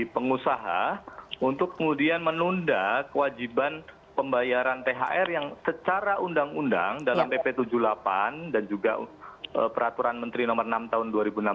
pengusaha untuk kemudian menunda kewajiban pembayaran thr yang secara undang undang dalam pp tujuh puluh delapan dan juga peraturan menteri nomor enam tahun dua ribu enam belas